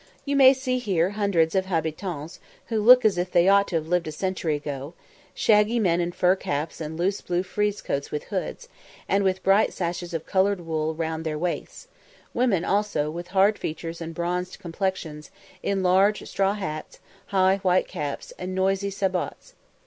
You may see here hundreds of habitans, who look as if they ought to have lived a century ago shaggy men in fur caps and loose blue frieze coats with hoods, and with bright sashes of coloured wool round their waists; women also, with hard features and bronzed complexions, in large straw hats, high white caps, and noisy sabots.